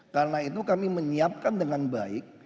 karena itu kami menyiapkan dengan baik